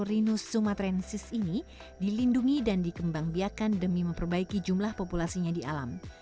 latin dicerorinus sumatransis ini dilindungi dan dikembang biakan demi memperbaiki jumlah populasinya di alam